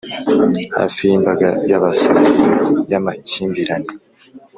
hafi yimbaga yabasazi yamakimbirane,